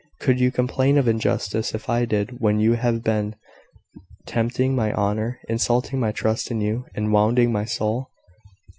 Could you complain of injustice if I did, when you have been tempting my honour, insulting my trust in you, and wounding my soul?